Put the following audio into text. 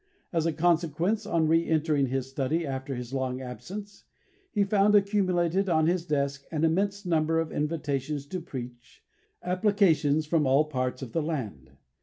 As a consequence, on re entering his study after his long absence, he found accumulated on his desk an immense number of invitations to preach, applications from all parts of the land.